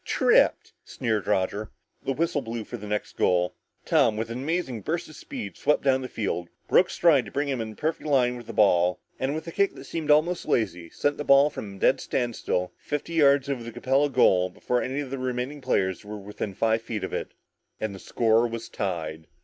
Tripped!" sneered Roger. The whistle blew for the next goal. Tom, with an amazing burst of speed, swept down the field, broke stride to bring him in perfect line with the ball and with a kick that seemed almost lazy, sent the ball from a dead standstill, fifty yards over the Capella goal before any of the remaining players were within five feet of it, and the score was tied.